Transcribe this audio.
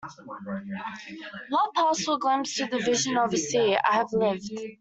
What Pascal glimpsed with the vision of a seer, I have lived.